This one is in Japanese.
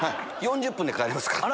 ４０分で帰れますから。